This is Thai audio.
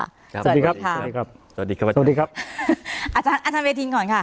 สวัสดีครับสวัสดีครับสวัสดีครับสวัสดีครับอาจารย์อาจารย์เวทินก่อนค่ะ